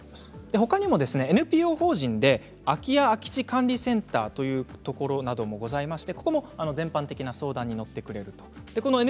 ほかにもＮＰＯ法人で空家・空地管理センターというところもあってここも全般的な相談に乗ってくれています。